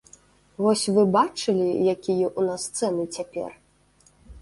Вось вы бачылі, якія ў нас цэны цяпер?